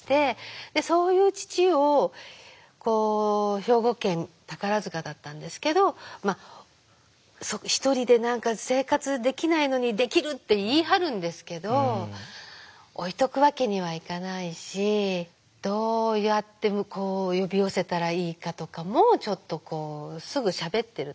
そういう父を兵庫県宝塚だったんですけどひとりで生活できないのに「できる！」って言い張るんですけど置いとくわけにはいかないしどうやって呼び寄せたらいいかとかもちょっとこうすぐしゃべってるとけんかになるんです。